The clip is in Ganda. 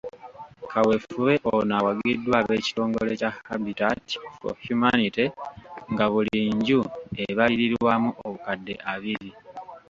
Kaweefube ono awagiddwa ab'ekitongole kya Habitat for Humanity nga buli nju ebalirirwamu obukadde abiri.